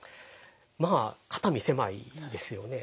まあ肩身狭いですよね。